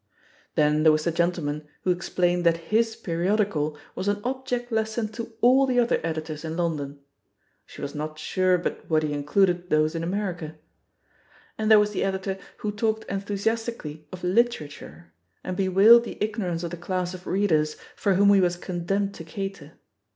Then there was the gentleman who explained that his periodical was an object lesson to all the other editors in London — ^she was not sure but what he included those in America. And there was the Editor who talked enthusiastically of "literature, and bewailed the ignorance of the class of readers for whom he was condemned to cater.